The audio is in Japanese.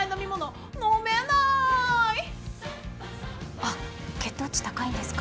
あっ血糖値高いんですか？